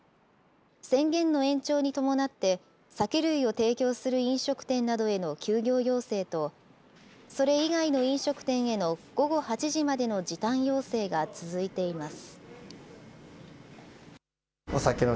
宣言の延長に伴って、酒類を提供する飲食店などへの休業要請と、それ以外の飲食店への午後８時までの時短要請が続いています。